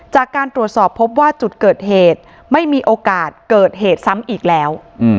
จากการตรวจสอบพบว่าจุดเกิดเหตุไม่มีโอกาสเกิดเหตุซ้ำอีกแล้ว